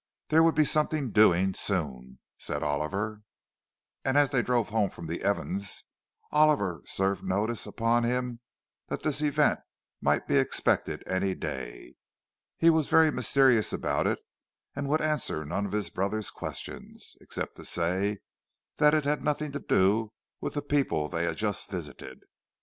There would be "something doing" soon, said Oliver. And as they drove home from the Evanses', Oliver served notice upon him that this event might be expected any day. He was very mysterious about it, and would answer none of his brother's questions—except to say that it had nothing to do with the people they had just visited.